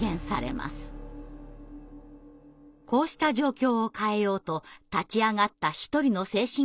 こうした状況を変えようと立ち上がった一人の精神科医がいました。